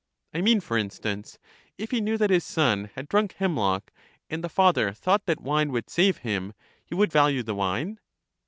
I mean, for instance, if he knew that his son had drunk hemlock, and the father thought that wine would save him, he would value the wine?